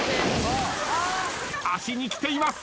足にきています。